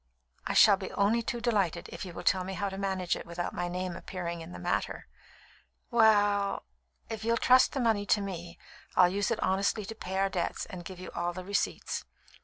"I shall be only too delighted, if you will tell me how to manage it without my name appearing in the matter." "We ll, if you'd trust the money to me, I'd use it honestly to pay our debts, and give you all the receipts."